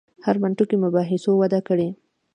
هرمنوتیکي مباحثو وده کړې.